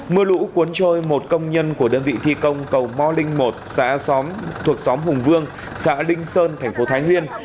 mưa lũ cuốn trôi một công nhân của đơn vị thi công cầu mò linh một xã thuộc xóm hùng vương xã linh sơn thành phố thái nguyên